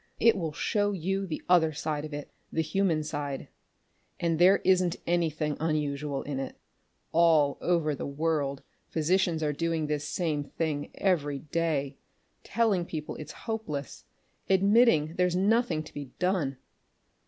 It will show you the other side of it the human side. And there wasn't anything unusual in it. All over the world, physicians are doing this same thing every day telling people it's hopeless, admitting there's nothing to be done.